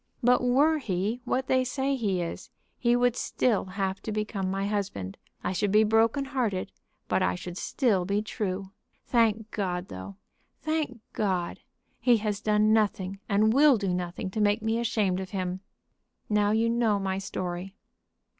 But were he what they say he is, he would still have to become my husband. I should be broken hearted, but I should still be true. Thank God, though, thank God, he has done nothing and will do nothing to make me ashamed of him. Now you know my story."